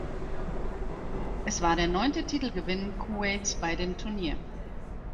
Es war der neunte Titelgewinn Kuwaits bei dem Turnier.